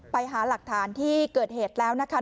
ไปหาหลักฐานที่เกิดเหตุแล้วนะคะ